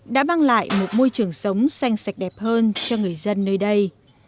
đã mang lại một môi trường sống xanh sạch đẹp hơn cho người dân nơi đây